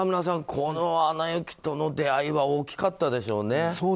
この「アナ雪」との出会いは大きかったでしょうね。